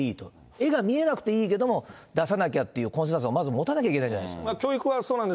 絵が見えなくていいけど、出さなきゃっていう、コンセンサスを出さなきゃいけないんじゃないですか。